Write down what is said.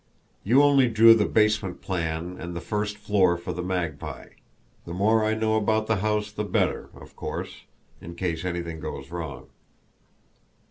You only drew the basement plan and the first floor for the Magpie the more I know about the house the better, of course, in case anything goes wrong.